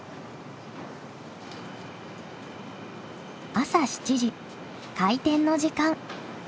朝７時開店の時間。